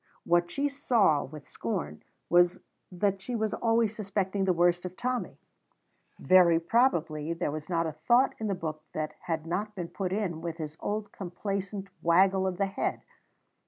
What she saw with scorn was that she was always suspecting the worst of Tommy. Very probably there was not a thought in the book that had been put in with his old complacent waggle of the head.